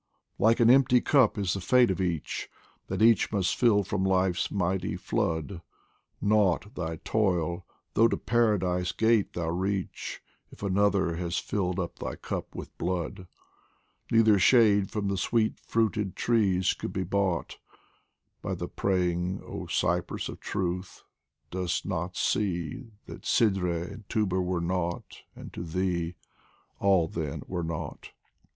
Like an empty cup is the fate of each, That each must fill from Life's mighty flood ; Nought thy toil, though to Paradise gate thou reach, If Another has filled up thy cup with blood ; Neither shade from the sweet fruited trees could be bought By thy praying oh Cypress of Truth, dost not see That Sidreh and Tuba were nought, and to thee All then were nought